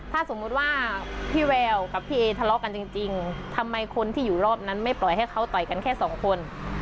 ถ้าสมมุติว่าพี่แววกับพี่เอทะเลาะกันจริงทำไมคนที่อยู่รอบนั้นไม่ปล่อยให้เขาต่อยกันแค่สองคน